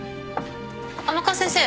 甘春先生